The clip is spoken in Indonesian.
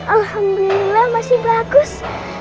alhamdulillah masih bagus